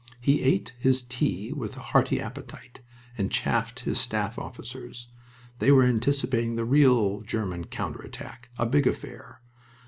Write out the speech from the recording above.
He ate his tea with a hearty appetite, and chaffed his staff officers. They were anticipating the real German counter attack a big affair.